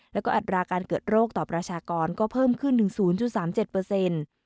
และก็อัตราการเกิดโรคต่อประชากรก็เพิ่มขึ้นถึง๐๓๗